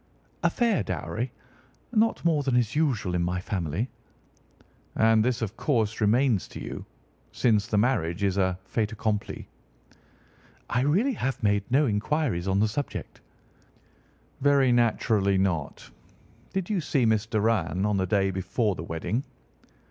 "A fair dowry. Not more than is usual in my family." "And this, of course, remains to you, since the marriage is a fait accompli?" "I really have made no inquiries on the subject." "Very naturally not. Did you see Miss Doran on the day before the wedding?"